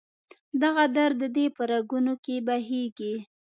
دغه درد دې په رګونو کې بهیږي